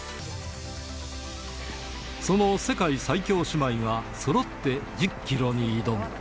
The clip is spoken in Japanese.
その世界最強姉妹がそろって１０キロに挑む。